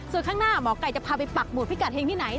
ส่วนข้างหน้าหมอไก่จะพาไปปักหมุดพิกัดเฮงที่ไหน